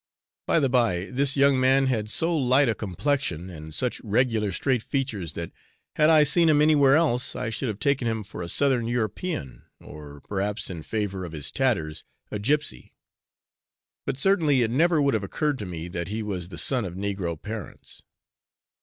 By the by, this young man had so light a complexion, and such regular straight features, that, had I seen him anywhere else, I should have taken him for a southern European, or, perhaps, in favour of his tatters, a gipsy; but certainly it never would have occurred to me that he was the son of negro parents.